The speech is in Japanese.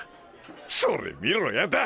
それ見ろやた！